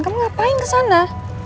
kamu ngapain kesana